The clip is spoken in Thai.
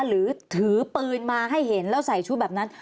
หรือถือปืนมาให้เห็นแล้วใส่ชุดแบบนั้น